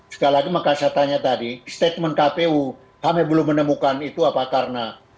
sekali lagi maka saya tanya tadi statement kpu kami belum menemukan itu apa karena